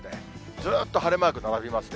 ずーっと晴れマーク並びますね。